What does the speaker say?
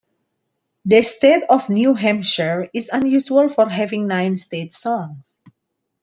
The state of New Hampshire is unusual for having nine state songs.